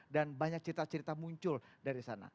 dan banyak cerita cerita muncul dari sana